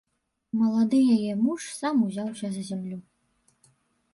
Малады яе муж сам узяўся за зямлю.